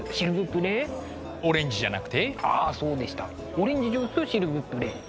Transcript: オレンジジュースシルブプレ。